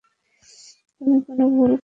তুমি কোনো ভুল করো নি।